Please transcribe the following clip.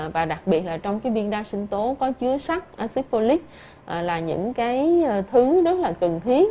và đặc biệt là trong viên đa sinh tố có chứa sắc axit folic là những thứ rất là cần thiết